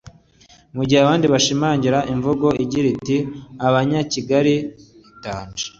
mu gihe abandi bashimangira imvugo igira iti “Abanyakigali ni danger”